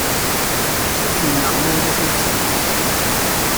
Ssusem neɣ ma ulac ad d-slen.